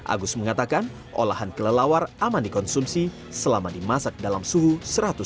agus mengatakan olahan kelelawar aman dikonsumsi selama dimasak dalam suhu seratus derajat celcius